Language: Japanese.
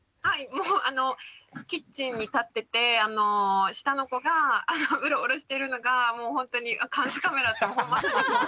もうあのキッチンに立ってて下の子がウロウロしてるのがもうほんとにあ監視カメラって思って。